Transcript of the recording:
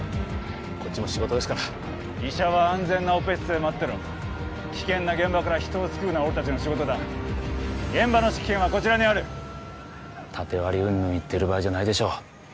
こっちも仕事ですから医者は安全なオペ室で待ってろ危険な現場から人を救うのは俺達の仕事だ現場の指揮権はこちらにある縦割りうんぬん言ってる場合じゃないでしょ